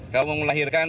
kalau mau melahirkan